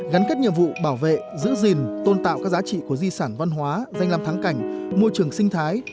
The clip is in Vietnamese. gắn kết nhiệm vụ bảo vệ giữ gìn tôn tạo các giá trị của di sản văn hóa danh làm thắng cảnh môi trường sinh thái